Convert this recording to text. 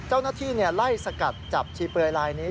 เจ้าหน้าที่ไล่สกัดจับชีเปลือยลายนี้